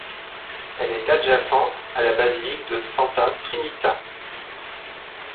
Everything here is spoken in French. Elle est adjacente à la basilique de Santa Trinita.